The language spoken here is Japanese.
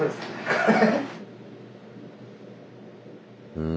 うん。